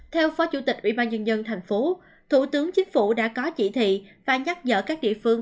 theo phó chủ tịch ubnd thành phố thủ tướng chính phủ đã có chỉ thị và nhắc dở các địa phương